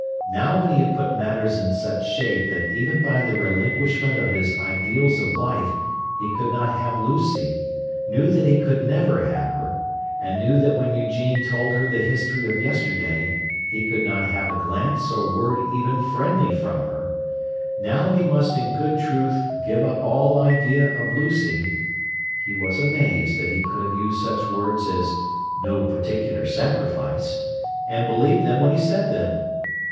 Now when he had put matters in such shape that even by the relinquishment of his "ideals of life" he could not have Lucy, knew that he could never have her, and knew that when Eugene told her the history of yesterday he could not have a glance or word even friendly from her—now when he must in good truth "give up all idea of Lucy," he was amazed that he could have used such words as "no particular sacrifice," and believed them when he said them!